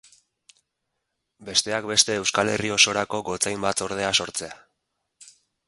Besteak beste Euskal Herri osorako gotzain batzordea sortzea.